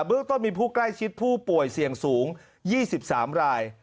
เรื่องต้นมีผู้ใกล้ชิดผู้ป่วยเสี่ยงสูง๒๓ราย